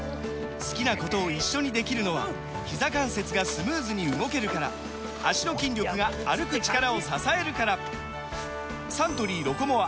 好きなことを一緒にできるのはひざ関節がスムーズに動けるから脚の筋力が歩く力を支えるからサントリー「ロコモア」！